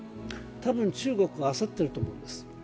多分中国は焦っていると思うんです。